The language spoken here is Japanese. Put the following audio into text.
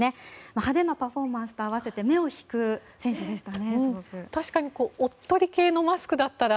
派手なパフォーマンスと合わせてすごく目を引く選手でしたね。